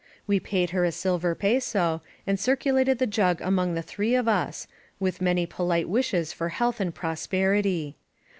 We paid her a silver peso, and circulated the jug among the three of us, with many polite wishes for health and prosperity.